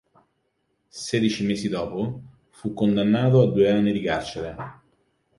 Sedici mesi dopo, fu condannato a due anni di carcere.